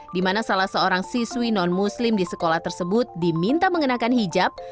di mana salah seorang siswi non muslim di sekolah tersebut diminta mengenakan hijab